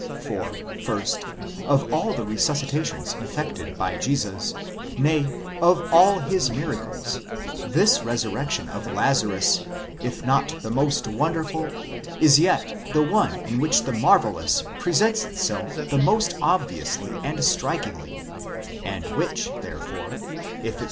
For, first, of all the resuscitations effected by Jesus, nay, of all his miracles, this resurrection of Lazarus, if not the most wonderful, is yet the one in which the marvellous presents itself the most obviously and strikingly, and which therefore, if its.